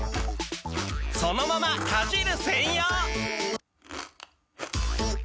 そのままかじる専用！